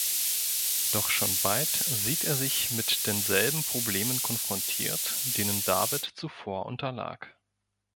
Doch schon bald sieht er sich mit denselben Problemen konfrontiert, denen David zuvor unterlag.